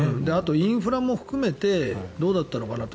インフラも含めてどうだったのかなと。